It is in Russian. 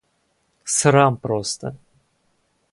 Срам просто!